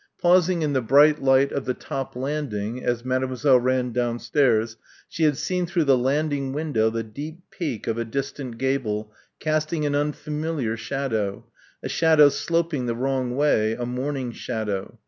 Pausing in the bright light of the top landing as Mademoiselle ran downstairs she had seen through the landing window the deep peak of a distant gable casting an unfamiliar shadow a shadow sloping the wrong way, a morning shadow.